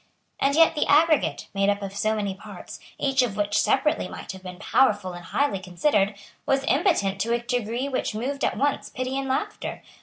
And yet the aggregate, made up of so many parts, each of which separately might have been powerful and highly considered, was impotent to a degree which moved at once pity and laughter.